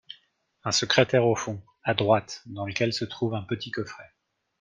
Un secrétaire au fond, à droite, dans lequel se trouve un petit coffret.